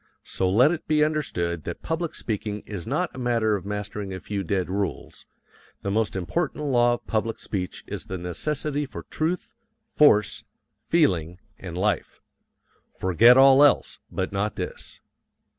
So let it be understood that public speaking is not a matter of mastering a few dead rules; the most important law of public speech is the necessity for truth, force, feeling, and life. Forget all else, but not this.